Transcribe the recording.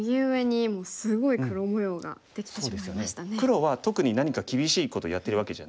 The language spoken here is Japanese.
黒は特に何か厳しいことやってるわけじゃないです。